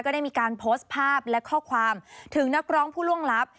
ได้มีการโพสต์ภาพและข้อความถึงนักร้องผู้ล่วงลับ